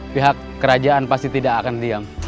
pihak kerajaan pasti tidak akan diam